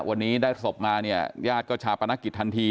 วันนี้ได้ศพมาเนี่ยญาติก็ชาปนกิจทันที